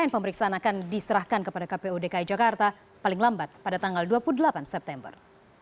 pemeriksaan akan diserahkan kepada kpu dki jakarta paling lambat pada tanggal dua puluh delapan september